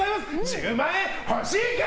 １０万円欲しいか？